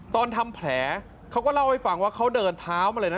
ทำแผลเขาก็เล่าให้ฟังว่าเขาเดินเท้ามาเลยนะ